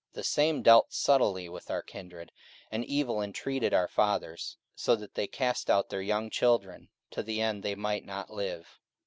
44:007:019 The same dealt subtilly with our kindred, and evil entreated our fathers, so that they cast out their young children, to the end they might not live.